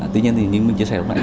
tuy nhiên như mình chia sẻ lúc nãy